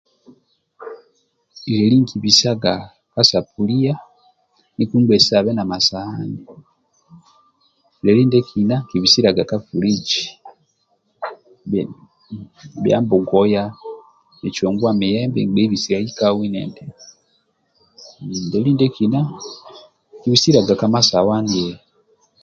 Lieli nkibisaga ka safuliya nikpungbesiabe na masawani, lieli ndietolo nkibisiliaga ka fuliji bhia mbogoya micunguwa milembe nigbei bisiliai kau endindi, lieli ndiekina nkibisiliaga ka sowaniye